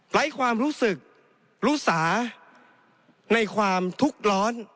ไร้ความรู้สึกรู้สาในความทุกข์ร้อน